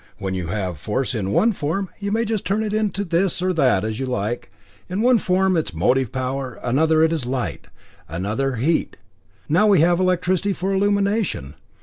When you have force in one form, you may just turn it into this or that, as you like. In one form it is motive power, in another it is light, in another heat. Now we have electricity for illumination.